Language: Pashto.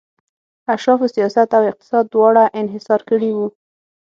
اشرافو سیاست او اقتصاد دواړه انحصار کړي وو.